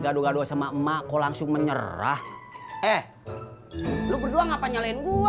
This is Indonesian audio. enggak dua sama emak kau langsung menyerah eh lu berdua ngapa nyalain gua